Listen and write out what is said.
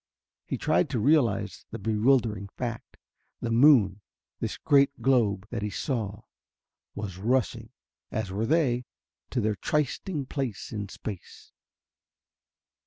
He tried to realize the bewildering fact the moon, this great globe that he saw, was rushing, as were they, to their trysting place in space.